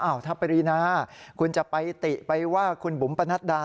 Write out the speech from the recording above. ถ้าปรินาคุณจะไปติไปว่าคุณบุ๋มปนัดดา